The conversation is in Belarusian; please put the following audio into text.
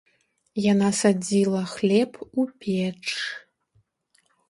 Яна садзіла хлеб у печ.